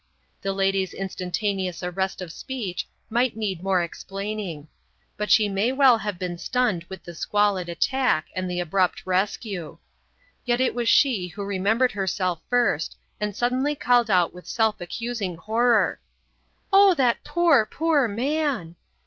The lady's instantaneous arrest of speech might need more explaining; but she may well have been stunned with the squalid attack and the abrupt rescue. Yet it was she who remembered herself first and suddenly called out with self accusing horror: "Oh, that poor, poor man!"